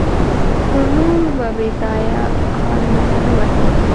پر نورو به بېځایه هارنونه نه وهې.